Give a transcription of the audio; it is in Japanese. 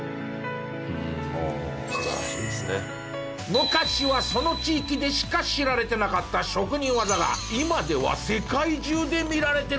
昔はその地域でしか知られてなかった職人技が今では世界中で見られてるんだ。